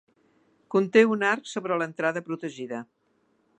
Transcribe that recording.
Conté un arc sobre l'entrada protegida.